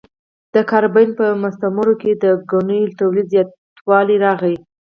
د کارابین په مستعمرو کې د ګنیو تولید زیاتوالی راغی.